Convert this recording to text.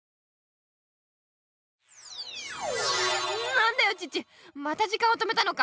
なんだよチッチまた時間を止めたのか。